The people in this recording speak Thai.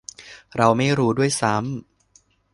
เราไม่รู้ด้วยซ้ำ